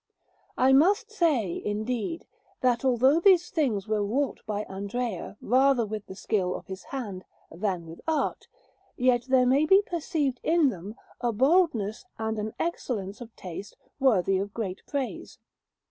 I must say, indeed, that although these things were wrought by Andrea rather with the skill of his hand than with art, yet there may be perceived in them a boldness and an excellence of taste worthy of great praise.